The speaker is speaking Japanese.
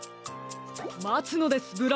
まつのですブラウン！